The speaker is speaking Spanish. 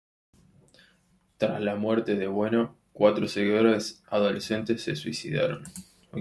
Tras la muerte de Bueno, cuatro seguidores adolescentes se suicidaron.